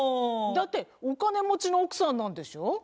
だってお金持ちの奥さんなんでしょ？